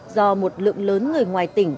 do một lượng lớn người ngoài tỉnh